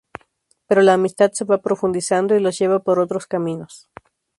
Pero la amistad se va profundizando y los lleva por otros caminos.